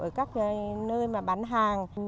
ở các nơi mà bán hàng